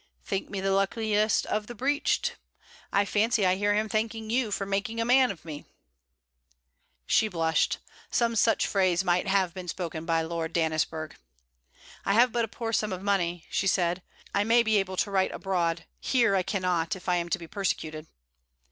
'Think me the luckiest of the breeched. I fancy I hear him thanking you for "making a man" of me.' She blushed. Some such phrase might have been spoken by Lord Dannisburgh. 'I have but a poor sum of money,' she said. 'I may be able to write abroad. Here I cannot if I am to be persecuted.'